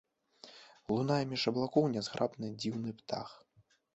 Лунае між аблокаў нязграбны дзіўны птах.